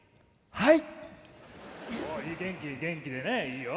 はい。